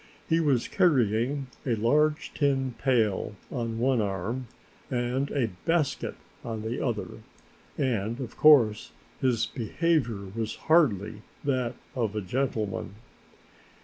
He was carrying a large tin pail on one arm and a basket on the other and of course his behavior was hardly that of a gentleman.